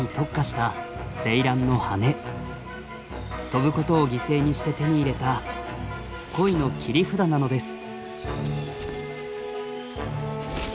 飛ぶことを犠牲にして手に入れた恋の切り札なのです。